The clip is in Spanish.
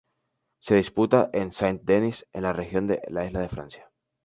Se disputaba en Saint-Denis, en la región Isla de Francia.